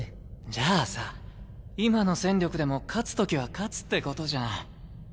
じゃあさ今の戦力でも勝つときは勝つってことじゃん。